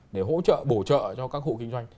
để hỗ trợ bổ trợ cho các hộ kinh doanh